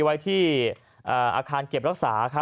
ไว้ที่อาคารเก็บรักษา